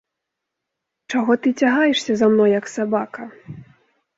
Чаго ты цягаешся за мной, як сабака?